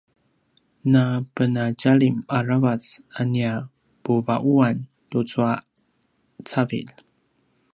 napenadjalim aravac a nia puva’uan tucu a cavilj